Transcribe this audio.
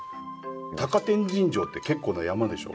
高天神城って結構な山でしょ？